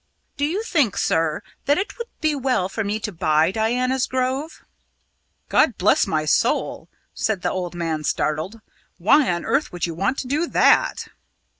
"Do you think, sir, that it would be well for me to buy Diana's Grove?" "God bless my soul!" said the old man, startled, "why on earth would you want to do that?"